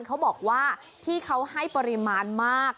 เขาบอกว่าที่เขาให้ปริมาณมาก